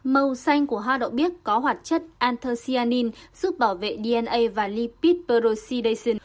màu xanh của hoa đậu biếc có hoạt chất anthocyanin giúp bảo vệ dna và lipid peroxidase